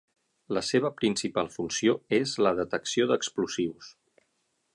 La seva principal funció és la detecció d'explosius.